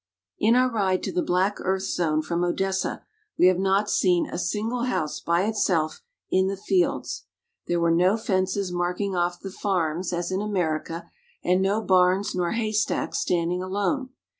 In our ride to the black earth zone from Odessa we have not seen a single house by itself in the fields. There were 322 RUSSIA. no fences marking off the farms as in America, and no barns nor haystacks standing alone.